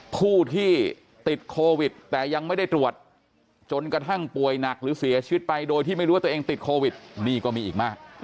ผู้ที่ติดโควิดแต่ยังไม่ได้ตรวจจนกระทั่งป่วยหนักหรือเสียชีวิตไปโดยที่ไม่รู้ว่าตัวเองติดโควิดนี่ก็มีอีกมาก